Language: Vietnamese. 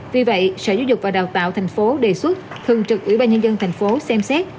vì vậy sở giáo dục và đào tạo tp hcm đề xuất thường trực ủy ban nhân dân thành phố xem xét